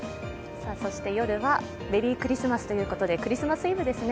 夜はメリークリスマスということでクリスマスイブですね。